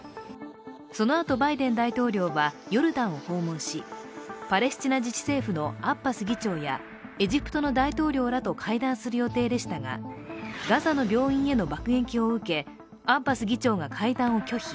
そのあとバイデン大統領はヨルダンを訪問しパレスチナ自治政府のアッバス議長や、エジプトの大統領らと会談する予定でしたがガザの病院への爆撃を受けアッバス議長が会談を拒否。